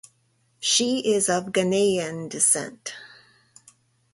She is of Ghanaian descent.